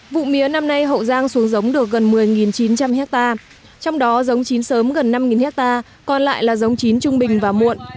vụ mía năm nay hậu giang xuống giống được gần một mươi chín trăm linh hectare trong đó giống chín sớm gần năm hectare còn lại là giống chín trung bình và muộn